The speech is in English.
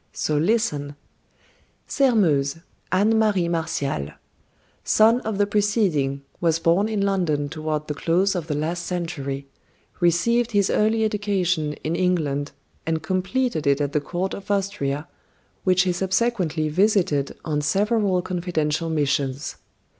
So listen: Sairmeuse (Anne Marie Martial) Son of the preceding, was born in London toward the close of the last century; received his early education in England, and completed it at the Court of Austria, which he subsequently visited on several confidential missions.